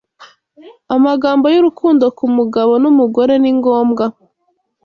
amagambo y'urukundo kumugabo nu mugore ningombwa